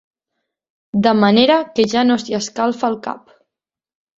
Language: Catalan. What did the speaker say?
De manera que ja no s'hi escalfa el cap.